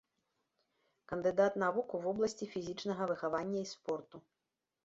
Кандыдат навук у вобласці фізічнага выхавання і спорту.